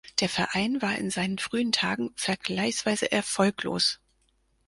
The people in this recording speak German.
Der Verein war in seinen frühen Tagen vergleichsweise erfolglos.